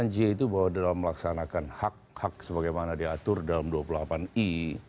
delapan y itu bahwa dalam melaksanakan hak hak sebagaimana diatur dalam dua puluh delapan i